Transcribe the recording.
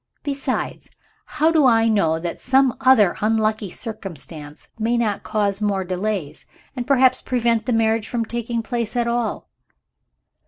Besides, how do I know that some other unlucky circumstance may not cause more delays; and perhaps prevent the marriage from taking place at all?"